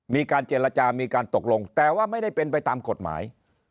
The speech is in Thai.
มีการเจรจามีการตกลงแต่ว่าไม่ได้เป็นไปตามกฎหมาย